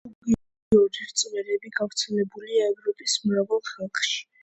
ანალოგიური რწმენები გავრცელებულია ევროპის მრავალ ხალხში.